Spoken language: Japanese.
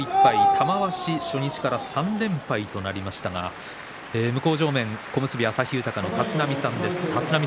玉鷲、初日から３連敗となりましたが向正面、小結旭豊の立浪さん